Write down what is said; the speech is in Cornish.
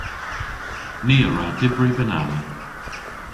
Ni a wra dybri banana.